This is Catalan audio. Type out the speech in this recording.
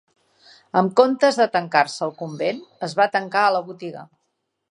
En comptes de tancar-se al convent, es va tancar a la botiga.